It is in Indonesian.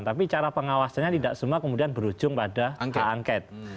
tapi cara pengawasannya tidak semua kemudian berujung pada hak angket